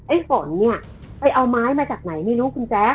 ฝนเนี่ยไปเอาไม้มาจากไหนไม่รู้คุณแจ๊ค